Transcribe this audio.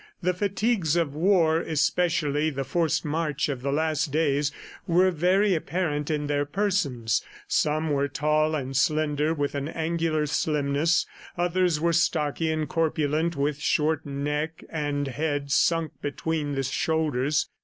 The fatigues of war, especially the forced march of the last days, were very apparent in their persons. Some were tall and slender with an angular slimness; others were stocky and corpulent with short neck and head sunk between the shoulders.